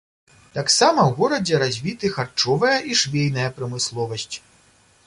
Таксама ў горадзе развіты харчовая і швейная прамысловасць.